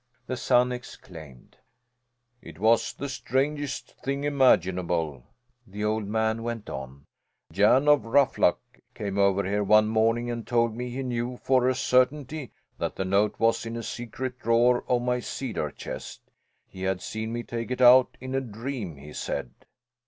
the son exclaimed. "It was the strangest thing imaginable!" the old man went on. "Jan of Ruffluck came over here one morning and told me he knew for a certainty that the note was in the secret drawer of my cedar chest. He had seen me take it out in a dream, he said."